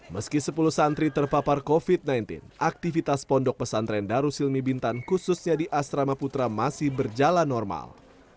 meski sepuluh santri terpapar covid sembilan belas aktivitas pondok pesantren darussilmi bintan khususnya di asrama putra masih berjalan normal